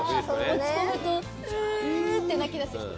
落ち込むと「うう！」って泣き出す人。